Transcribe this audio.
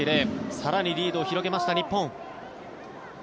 更にリードを広げました日本。